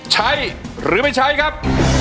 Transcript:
ใช้หรือไม่ใช้ครับ